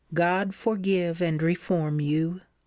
God forgive and reform you!